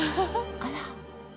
あら。